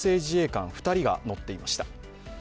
自衛官２人が乗っていました。